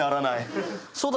そうだ！